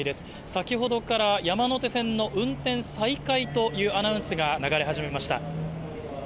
先ほどから山手線の運転再開というアナウンスが流れ始めました。